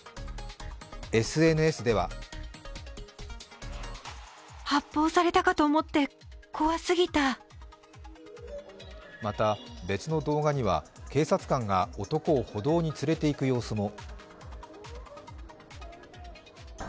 ＳＮＳではまた別の動画には警察官が男を歩道に連れていく様子も。